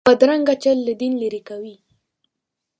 بدرنګه چل له دین لرې کوي